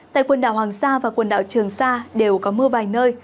tại quần đảo hoàng sa và quần đảo trường sa đều có mưa vài nơi